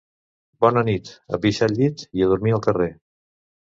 Bona nit: a pixar al llit i a dormir al carrer.